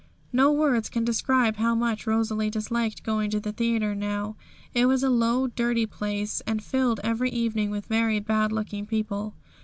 No words can describe how much Rosalie disliked going to the theatre now. It was a low, dirty place, and filled every evening with very bad looking people.